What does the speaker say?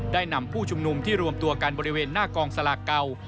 นำผู้ชุมนุมที่รวมตัวกันบริเวณหน้ากองสลากเก่า